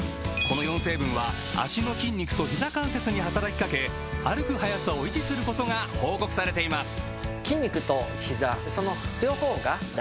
この４成分は脚の筋肉とひざ関節に働きかけ歩く速さを維持することが報告されています